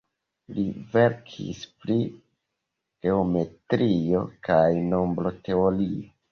Li verkis pri geometrio kaj nombroteorio.